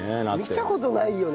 見た事ないよね。